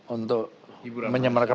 untuk menyembar ke